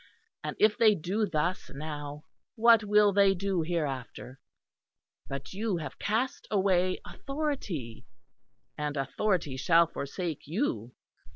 And if they do thus now, what will they do hereafter? You have cast away Authority, and authority shall forsake you.